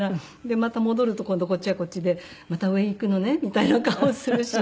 でまた戻ると今度こっちはこっちでまた上行くのねみたいな顔をするし。